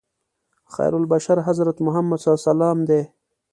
خیرالبشر حضرت محمد صلی الله علیه وسلم دی.